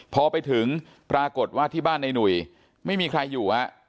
พอไปถึงปรากฏว่าที่บ้านในหนุ่ยไม่มีใครอยู่ฮะ